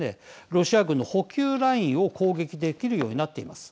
ロシア軍の補給ラインを攻撃できるようになっています。